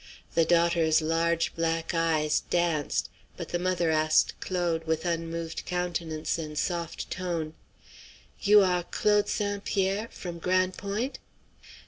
The daughter's large black eyes danced, but the mother asked Claude, with unmoved countenance and soft tone: "You are Claude St. Pierre? from Gran' Point'?"